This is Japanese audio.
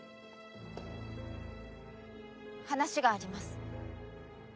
話があります。